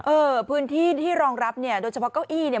เออพื้นที่ที่รองรับเนี่ยโดยเฉพาะเก้าอี้เนี่ย